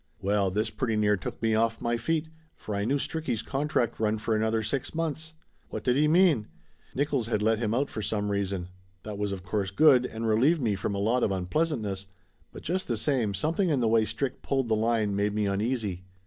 Well, this pretty near took me off my feet, for I knew Stricky's contract run for another six months. What did he mean ? Nickolls had let him out for some reason. That was of course good, and relieved me from a lot of unpleasantness, but just the same some thing in the way Strick pulled the line made me uneasy.